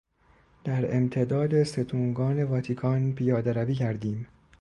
در امتداد ستونگان واتیکان پیادهروی کردیم.